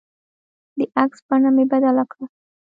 د عکس بڼه مې بدله کړه.